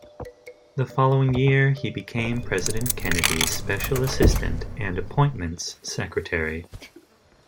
The following year, he became President Kennedy's special assistant and Appointments Secretary.